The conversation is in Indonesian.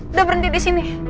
udah berhenti di sini